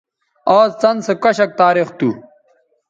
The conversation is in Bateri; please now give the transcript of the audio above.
آز څَن سو کشک تاریخ تھو